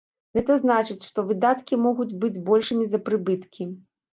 Гэта значыць, што выдаткі могуць быць большымі за прыбыткі.